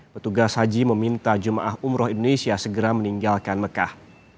petugas haji meminta jemaah umroh indonesia segera meninggalkan mekah